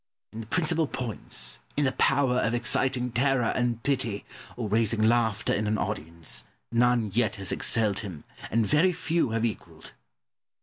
In the principal points, in the power of exciting terror and pity, or raising laughter in an audience, none yet has excelled him, and very few have equalled.